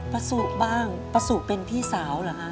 ประสูจน์บ้างประสูจน์เป็นพี่สาวหรือคะ